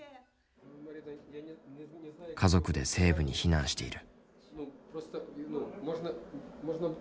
家族で西部に避難している。